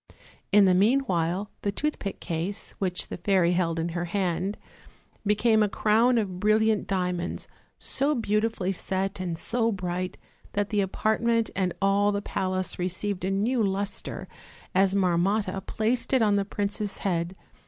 In the meanwhile the toothpick case, which the fairy held in her hand, became a crown of brillant diamonds, so beautifully set and so bright that the apartment and all the palace received a new luster, as Marmotta placed it on the princess' head.